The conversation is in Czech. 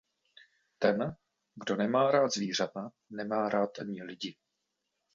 Ten, kdo nemá rád zvířata, nemá rád ani lidi.